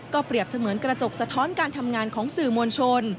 เปรียบเสมือนกระจกสะท้อนการทำงานของสื่อมวลชน